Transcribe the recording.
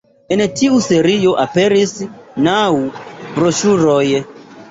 En tiu serio aperis naŭ broŝuroj.